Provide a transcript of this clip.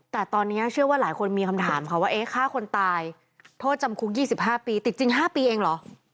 แต่ตอนนี้เชื่อว่าหลายคนมีคำถามค่ะว่าเอ๊ะฆ่าคนตายโทษจำคุก๒๕ปีติดจริง๕ปีเองเหรอ